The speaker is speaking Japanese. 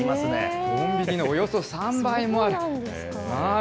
コンビニのおよそ３倍もある。